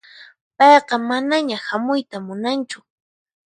Payqa manaña hamuyta munanchu.